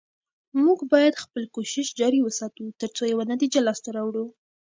موږ باید خپل کوشش جاري وساتو، تر څو یوه نتیجه لاسته راوړو